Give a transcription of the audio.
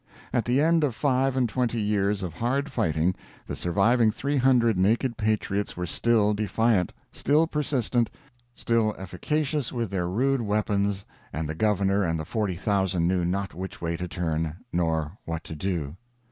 At the end of five and twenty years of hard fighting, the surviving 300 naked patriots were still defiant, still persistent, still efficacious with their rude weapons, and the Gove7rnor and the 40,000 knew not which way to turn, nor what to do.